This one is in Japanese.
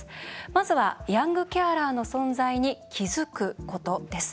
まずはヤングケアラーの存在に気づくことです。